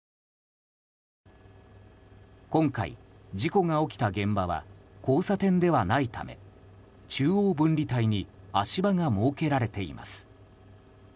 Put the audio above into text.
今回、事故が起きた現場は交差点ではないため中央分離帯に足場が設けられています。